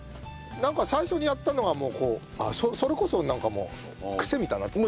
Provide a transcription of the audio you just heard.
なんか最初にやったのがもうこうそれこそなんかもうクセみたいになっちゃった。